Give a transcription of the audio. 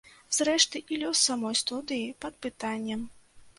Зрэшты, і лёс самой студыі пад пытаннем.